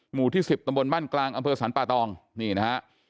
หมู่ที่๑๐ตำบลบ้านกลางอำเภอสรรป่าตองนี่นะฮะ